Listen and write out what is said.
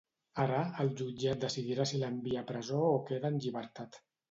Ara, el jutjat decidirà si l'envia a presó o queda en llibertat.